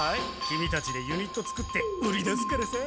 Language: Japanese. キミたちでユニット作って売り出すからさ。